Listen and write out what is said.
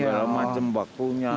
atau segala macam waktunya